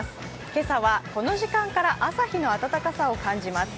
今朝は、この時間から朝日の暖かさを感じます。